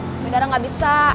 tapi darah gak bisa